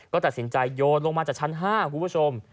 ก็ตัดสินใจโยนลงมาจากชั้น๕คุณผู้ชม